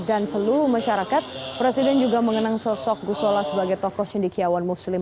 dan seluruh masyarakat presiden juga mengenang sosok gusola sebagai tokoh cendikiawan muslim